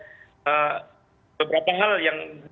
seberapa hal yang